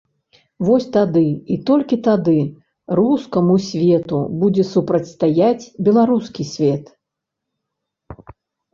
Вось тады, і толькі тады, рускаму свету будзе супрацьстаяць беларускі свет.